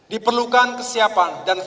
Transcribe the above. diperlukan kesiapan dan